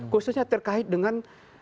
khususnya terkait dengan